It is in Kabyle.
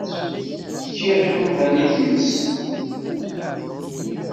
Fkiɣ iḍudan i tmes.